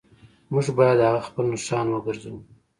موږ باید هغه خپل نښان وګرځوو